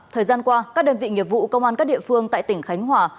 thời gian qua các đơn vị nghiệp vụ công an các địa phương tại tỉnh khánh hòa